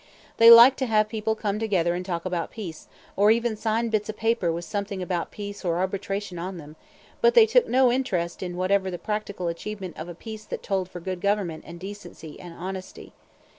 They liked to have people come together and talk about peace, or even sign bits of paper with something about peace or arbitration on them, but they took no interest whatever in the practical achievement of a peace that told for good government and decency and honesty.